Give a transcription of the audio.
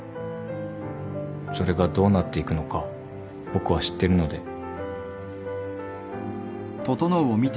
それがどうなっていくのか僕は知ってるので。